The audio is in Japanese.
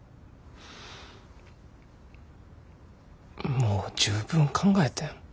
もう十分考えてん。